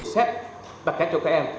xét đặt cách cho các em